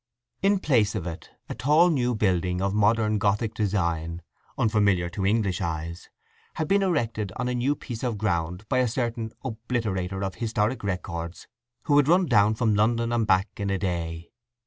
In place of it a tall new building of modern Gothic design, unfamiliar to English eyes, had been erected on a new piece of ground by a certain obliterator of historic records who had run down from London and back in a day.